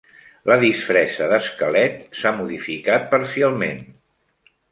La disfressa d"esquelet s"ha modificat parcialment.